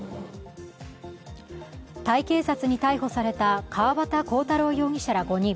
タイ警察に逮捕された川端浩太郎容疑者ら５人。